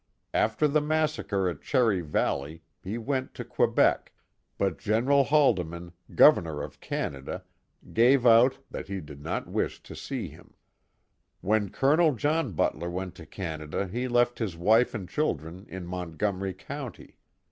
After the massacre at Cherry Valley, he went 11 Quebec, but General Haldiman, governor of Canada, gave out that he did not wish to see him, When Col. John Butler went to Canada he left his wife and children in Montgomery County.